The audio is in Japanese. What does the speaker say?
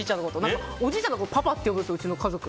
おじいちゃんのことをパパって呼ぶんです、うちの家族。